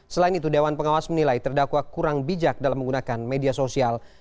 selain itu dewan pengawas menilai terdakwa kurang bijak dalam menggunakan media sosial